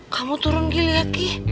kamu turun lagi liat gi